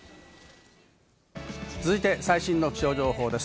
続いて、最新の気象情報です。